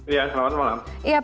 iya selamat malam